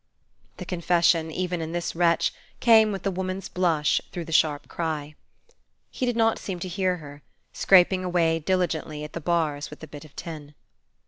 The confession, even In this wretch, came with the woman's blush through the sharp cry. He did not seem to hear her, scraping away diligently at the bars with the bit of tin.